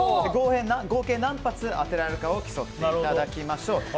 合計何発当てられるかを競っていただきましょう。